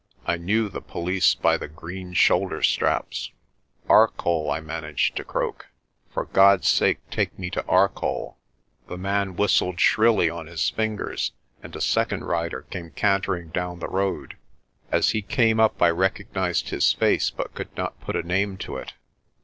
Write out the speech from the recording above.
I knew the police by the green shoulder straps. "Arcoll," I managed to croak. "For God's sake, take me to Arcoll." The man whistled shrilly on his fingers and a second rider came cantering down the road. As he came up I recognised his face but could not put a name to it.